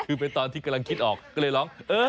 คือเป็นตอนที่กำลังคิดออกก็เลยร้อง